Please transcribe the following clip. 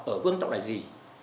ở vương trọng là gì